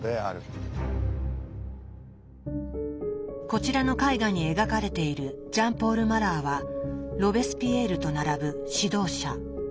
こちらの絵画に描かれているジャン・ポール・マラーはロベスピエールと並ぶ指導者。